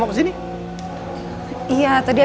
masuk pas deh